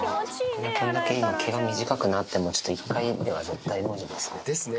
こんだけ毛が短くなっても、ちょっと１回では絶対無理ですね。ですね。